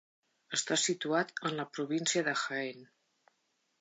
Està situat en la província de Jaén.